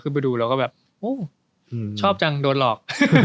คือไปดูแล้วก็แบบโหชอบจังโดนหลอก